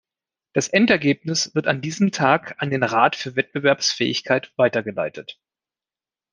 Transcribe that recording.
Das Endergebnis wird an diesem Tag an den Rat für Wettbewerbsfähigkeit weitergeleitet.